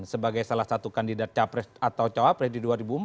sebagai salah satu kandidat capres atau cawapres di dua ribu empat belas